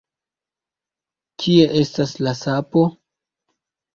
Kie estas la sapo?